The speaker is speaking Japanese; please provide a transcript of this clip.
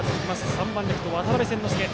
３番レフト、渡邉千之亮。